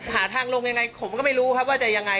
หาทางลงยังไงผมก็ไม่รู้ครับว่าจะยังไง